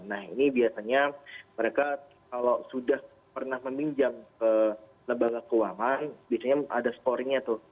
nah ini biasanya mereka kalau sudah pernah meminjam ke lembaga keuangan biasanya ada scoringnya tuh